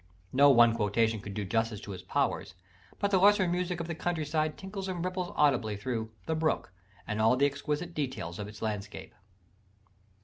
No one quotation could do justice to his powers: but the lesser music of the countryside tinkles and ripples audibly through The Brook and all the exquisite details of its landscape.